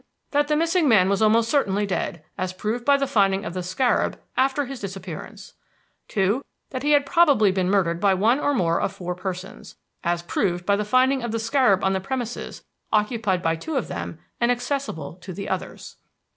That the missing man was almost certainly dead, as proved by the finding of the scarab after his disappearance. "2. That he had probably been murdered by one or more of four persons, as proved by the finding of the scarab on the premises occupied by two of them and accessible to the others.